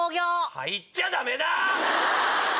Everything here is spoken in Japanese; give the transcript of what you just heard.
入っちゃダメだ！